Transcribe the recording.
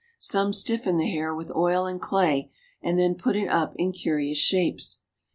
Some stiifeii the hair with oil and clay, and then put it up in curious shapes.